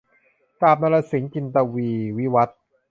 สาบนรสิงห์ - จินตวีร์ วิวัธน์